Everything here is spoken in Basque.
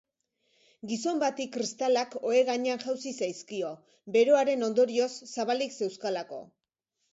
Gizon bati kristalak ohe gainean jauzi zaizkio, beroaren ondorioz zabalik zeuzkalako.